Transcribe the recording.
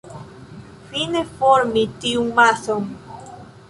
Fine formi tiun mason.